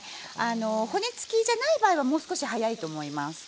骨付きじゃない場合はもう少し早いと思います。